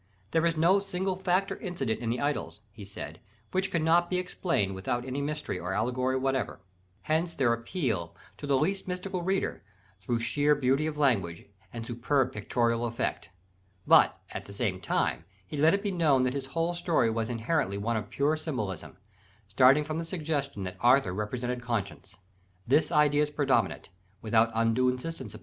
"There is no single fact or incident in the Idylls," he said, "which cannot be explained without any mystery or allegory whatever." Hence their appeal to the least mystical reader, through sheer beauty of language and superb pictorial effect. But at the same time he let it be known that his whole story was inherently one of pure symbolism: starting from the suggestion that Arthur represented conscience. This idea is predominant, without undue insistence upon it, in Guinevere.